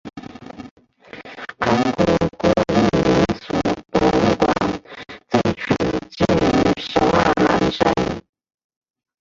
韩国国立民俗博物馆最初建于首尔南山。